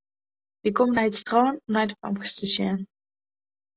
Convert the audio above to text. Wy komme nei it strân om nei de famkes te sjen.